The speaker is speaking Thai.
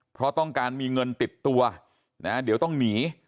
เพราะต้องการมีเงินติดตัวนะเดี๋ยวต้องหนี